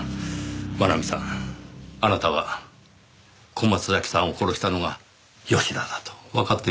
真奈美さんあなたは小松崎さんを殺したのが吉田だとわかっていたんですね？